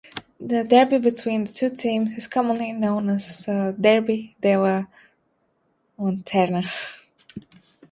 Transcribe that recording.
The derby between the two teams is commonly known as the "Derby della Lanterna".